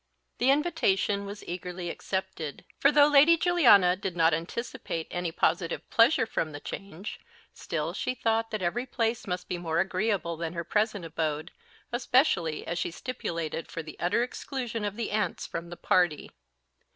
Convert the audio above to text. The invitation was eagerly accepted; for though Lady Juliana did not anticipate any positive pleasure from the change, still she thought that every place must be more agreeable than her present abode, especially as she stipulated for the utter exclusion of the aunts from the party.